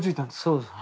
そうです。